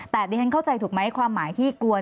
แต่ดิฉันเข้าใจถูกไหมความหมายที่กลัว